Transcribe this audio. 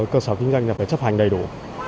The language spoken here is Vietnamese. cơ sở kinh doanh phải chấp hành đầy đủ